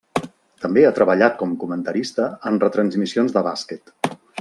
També ha treballat com comentarista en retransmissions de bàsquet.